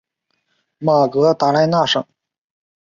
马格达莱纳省。